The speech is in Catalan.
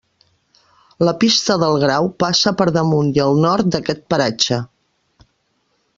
La Pista del Grau passa per damunt i al nord d'aquest paratge.